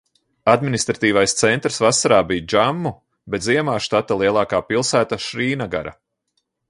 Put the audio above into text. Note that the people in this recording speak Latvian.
Administratīvais centrs vasarā bija Džammu, bet ziemā štata lielākā pilsēta Šrīnagara.